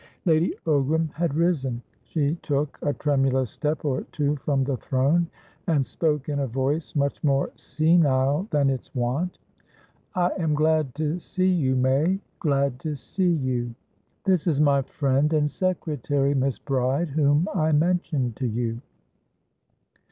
Lady Ogram had risen; she took a tremulous step or two from the throne, and spoke in a voice much more senile than its wont. "I am glad to see you, Mayglad to see you! This is my friend and secretary, Miss Bride, whom I mentioned to you."